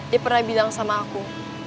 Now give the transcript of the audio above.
dia pernah bilang sama aku